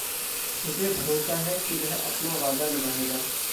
मुझे भरोसा है कि वह अपना वादा निभाएगा।